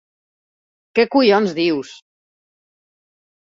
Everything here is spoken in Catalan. Què collons dius!